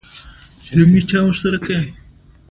افغانستان د دریابونه له پلوه له نورو هېوادونو سره اړیکې لري.